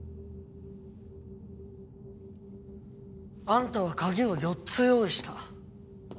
あんたは鍵を４つ用意した。